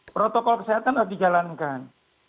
protokol kesehatan sudah dijalankan